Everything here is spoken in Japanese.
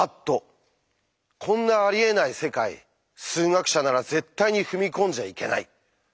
こんなありえない世界数学者なら絶対に踏み込んじゃいけない！